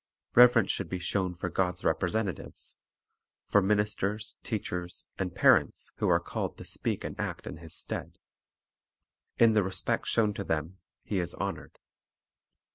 Reverence should be shown for God's representa tives, — for ministers, teachers, and parents who are called to speak and act in His stead. In the respect shown to them He is honored.